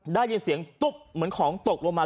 ได้ยินเสียงตุ๊บเหมือนของตกลงมา